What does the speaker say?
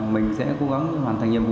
mình sẽ cố gắng hoàn thành nhiệm vụ